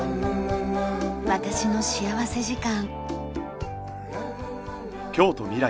『私の幸福時間』。